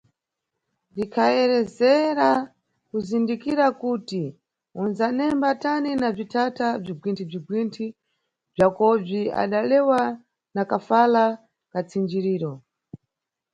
Ndikhayeresera kuzindikira kuti unʼdzanemba tani na bzithatha bzigwinthi-gwinthi bzakobzi, –adalewa na kafala ka tsinjiriro.